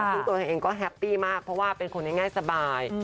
ซึ่งตัวเธอเองก็แฮปปี้มากเพราะว่าเป็นคนง่ายสบาย